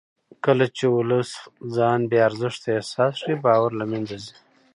کله چې ولس ځان بې ارزښته احساس کړي باور له منځه ځي